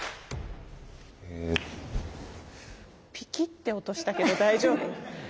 ピキッて音したけど大丈夫？